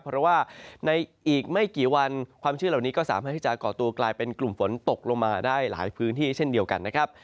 เพราะว่าในอีกไม่กี่วันความชื้นเหล่านี้ก็สามารถที่จะก่อตัวกลายเป็นกลุ่มฝนตกลงมาได้หลายพื้นที่เช่นเดียวกันนะครับ